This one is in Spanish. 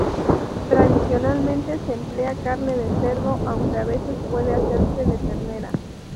Tradicionalmente se emplea carne de cerdo, aunque a veces puede hacerse de ternera.